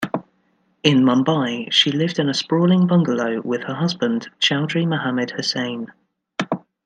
In Mumbai, she lived in a sprawling bungalow with her husband Chaudhry Mohammed Hussain.